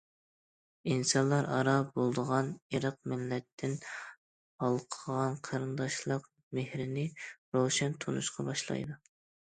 ئىنسانلار ئارا بولىدىغان، ئىرق، مىللەتتىن ھالقىغان قېرىنداشلىق مېھرىنى روشەن تونۇشقا باشلايدۇ.